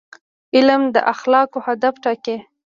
علم د اخلاقو هدف ټاکي.